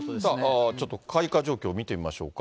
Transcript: ちょっと開花状況を見てみましょうか。